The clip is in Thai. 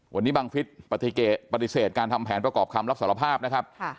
วันนี้บังฟิศปฏิเสธการทำแผนประกอบคำรับสารภาพนะครับ